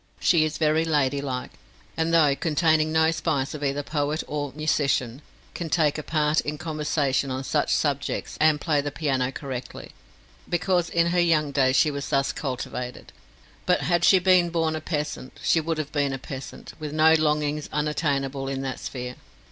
She is very ladylike, and though containing no spice of either poet or musician, can take a part in conversation on such subjects, and play the piano correctly, because in her young days she was thus cultivated; but had she been horn a peasant, she would have been a peasant, with no longings unattainable in that sphere.